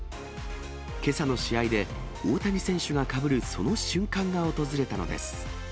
けさの試合で大谷選手がかぶるその瞬間が訪れたのです。